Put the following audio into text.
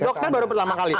dokter baru pertama kali